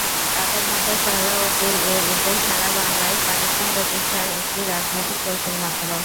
তাঁদের মতে, সোহরাওয়ার্দীর এ উদ্যোগ সারা বাংলায় পাকিস্তান প্রতিষ্ঠার একটি রাজনৈতিক কৌশল মাত্র।